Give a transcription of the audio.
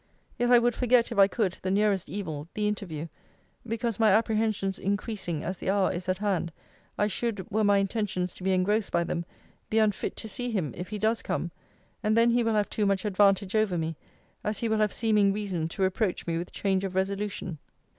Yet I would forget, if I could, the nearest evil, the interview; because, my apprehensions increasing as the hour is at hand, I should, were my intentions to be engrossed by them, be unfit to see him, if he does come: and then he will have too much advantage over me, as he will have seeming reason to reproach me with change of resolution.